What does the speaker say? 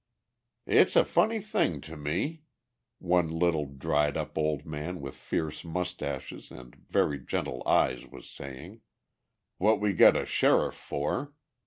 "It's a funny thing to me," one little dried up old man with fierce moustaches and very gentle eyes was saying, "what we got a sheriff for.